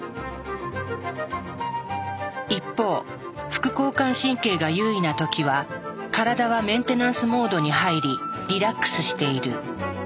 一方副交感神経が優位な時は体はメンテナンスモードに入りリラックスしている。